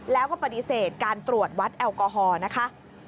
แล้วก็ปฏิเสธการตรวจวัดแอลกอฮอล์นะคะ